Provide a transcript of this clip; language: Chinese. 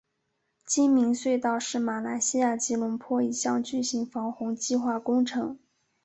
精明隧道是马来西亚吉隆坡一项巨型防洪计划工程。